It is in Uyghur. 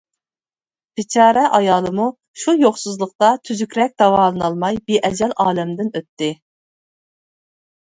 بىچارە ئايالىمۇ شۇ يوقسۇزلۇقتا، تۈزۈكرەك داۋالىنالماي بىئەجەل ئالەمدىن ئۆتتى.